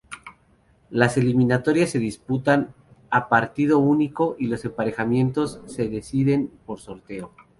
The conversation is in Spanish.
Las eliminatorias se disputan a partido único y los emparejamientos se deciden por sorteo.